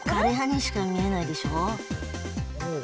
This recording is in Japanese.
枯れ葉にしか見えないでしょ？